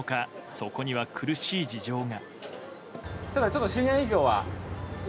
そこには苦しい事情が。